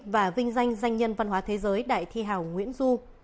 và vinh danh doanh nhân văn hóa thế giới đại thi hảo nguyễn du